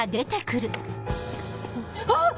あっ！